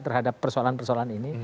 terhadap persoalan persoalan ini